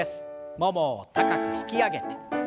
ももを高く引き上げて。